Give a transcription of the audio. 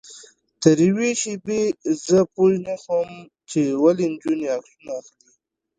تر یوې شېبې زه پوی نه وم چې ولې نجونې عکسونه اخلي.